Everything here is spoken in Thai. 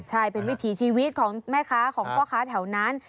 ใช่เป็นวิถีชีวิตของแม่ค้าของพ่อค้าแถวนั้น